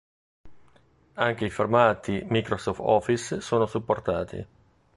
Anche i formati Microsoft Office sono supportati.